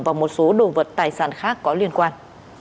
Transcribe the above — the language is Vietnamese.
và một số đồ vật tài sản khác có liên quan